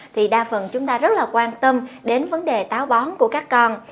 thì đa phần chúng ta rất là quan tâm đến vấn đề táo bón của các con